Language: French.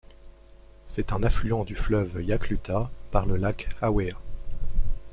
C'est un affluent du fleuve la Clutha par le lac Hawea.